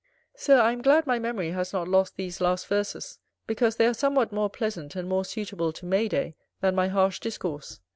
Sir, I am glad my memory has not lost these last verses, because they are somewhat more pleasant and more suitable to May day than my harsh discourse.